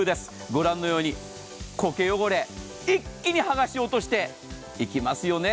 御覧のように、こけ汚れ、一気に剥がし落としていきますよね。